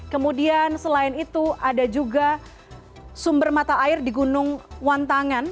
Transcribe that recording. kemudian selain itu ada juga sumber mata air di gunung wantangan